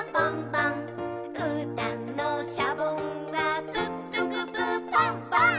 「うーたんのシャボンはプップクプーポンポン！」